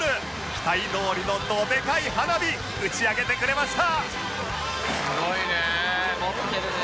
期待どおりのどでかい花火打ち上げてくれました！